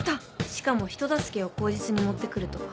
しかも人助けを口実に持って来るとは